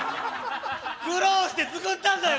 苦労して作ったんだよ